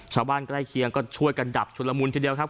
ชาวบ้านใกล้เคียงก็ช่วยกันดับชุดละมุนทีเดียวครับ